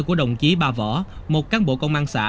của đồng chí ba võ một cán bộ công an xã